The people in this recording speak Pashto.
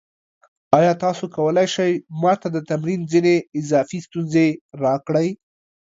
ایا تاسو کولی شئ ما ته د تمرین ځینې اضافي ستونزې راکړئ؟